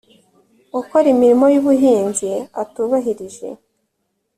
ukora imirimo y ubuhinzi atubahirije